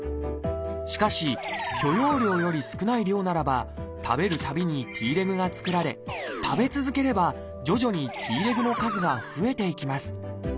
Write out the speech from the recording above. しかし許容量より少ない量ならば食べるたびにＴレグが作られ食べ続ければ徐々にＴレグの数が増えていきます。